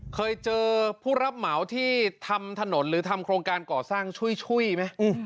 เคยเจอผู้รับเหมาที่ทำถนนหรือทำโครงการก่อสร้างช่วยไหม